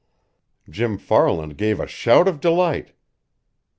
Jim Farland gave a shout of delight.